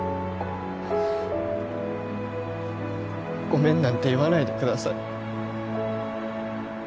ごめんなんて言わないでください。